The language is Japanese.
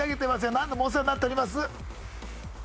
何度もお世話になっております